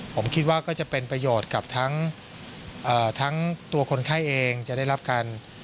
ผมคิดว่าก็จะเป็นประโยชน์กับทั้งตัวคนไข้เองจะได้รับการ